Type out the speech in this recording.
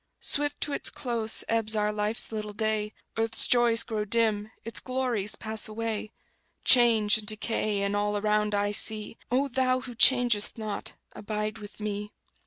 Swift to its close ebbs our life's little day; Earth's joys grow dim, its glories pass away; Change and decay in all around I see; O Thou Who changeth not, abide with me!